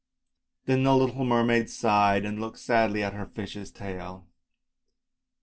" Then the little mermaid sighed and looked sadly at her fish's tail. ...